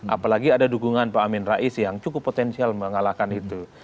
apalagi ada dukungan pak amin rais yang cukup potensial mengalahkan itu